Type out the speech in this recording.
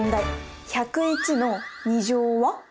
１０１の２乗は？